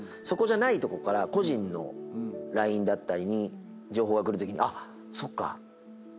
そこじゃないとこから個人のＬＩＮＥだったりに情報が来るときにあっ。